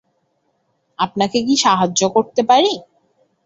আপনাকে কি সাহায্য করতে পারি?